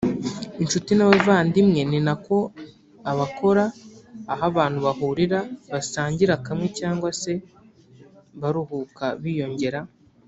inshuti n’abandimwe ni nako abakora aho abantu bahurira basangira kamwe cyangwa se baruhuka biyongera